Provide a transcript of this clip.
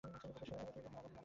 মূসা বলল, হে হারূন!